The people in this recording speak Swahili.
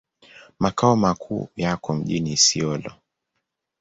Makao makuu yako mjini Isiolo.